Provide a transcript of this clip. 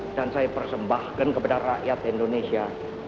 dan saya persembahkan kepada rakyat indonesia